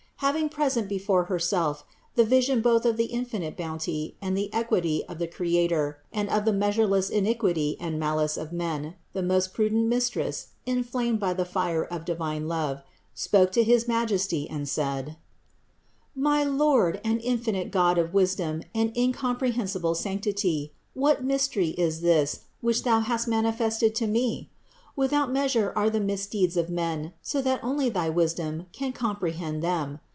Having present before Herself the vision both of the infinite bounty and equity of the Creator and of the measureless iniquity and malice of men, the most prudent Mistress, inflamed by the fire of divine love, spoke to his Majesty and said : 50. "My Lord and infinite God of wisdom and incom prehensible sanctity, what mystery is this, which Thou hast manifested to me? Without measure are the mis deeds of men, so that only thy wisdom can comprehend them.